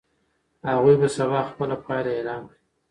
هغوی به سبا خپله پایله اعلان کړي.